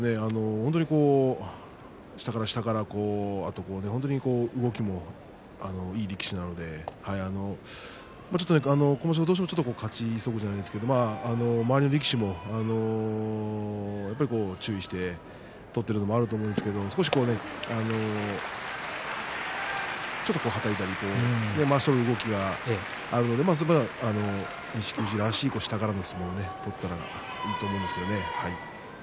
本当に下から下からあと動きもいい力士なのでちょっと今場所どうしても勝ち急ぐじゃないですけれど周りの力士もやっぱり注意して取っているところがあると思うんですけれどちょっとはたいたりという動きがあるので錦富士らしい下からの相撲を取ったらいいと思うんですけれどね。